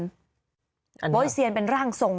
เยี่ยมโบ้ยเสียนเป็นร่างทรง